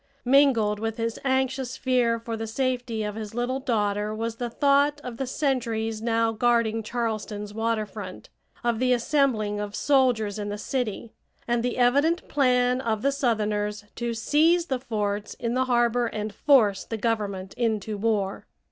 Mingled with his anxious fear for the safety of his little daughter was the thought of the sentries now guarding Charleston's water front, of the assembling of soldiers in the city, and the evident plan of the southerners to seize the forts in the harbor and force the Government into war.